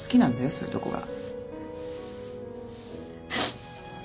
そういうとこが。